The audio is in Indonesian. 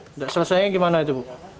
tidak selesainya gimana itu